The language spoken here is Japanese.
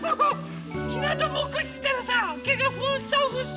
ひなたぼっこしてたらさけがふっさふっさ。